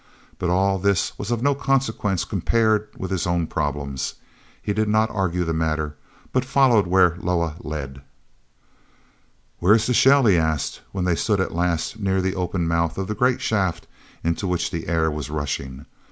But all this was of no consequence compared with his own problems. He did not argue the matter but followed where Loah led. "Where is the shell?" he asked, when they stood at last near the open mouth of the great shaft into which the air was rushing.